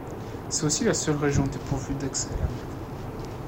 C'est aussi la seule région dépourvue d'accès à la mer.